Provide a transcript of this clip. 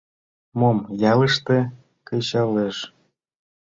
Мом ялыште кычалеш?